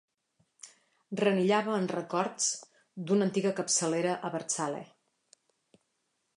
Renillava en records d'una antiga capçalera abertzale.